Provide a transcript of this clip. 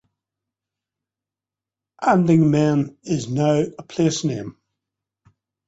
Andingmen is now a place name.